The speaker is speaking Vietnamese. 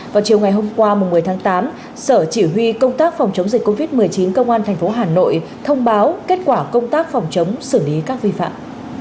vào chiều ngày hôm qua một mươi tháng tám sở chỉ huy công tác phòng chống dịch covid một mươi chín công an tp hà nội thông báo kết quả công tác phòng chống xử lý các vi phạm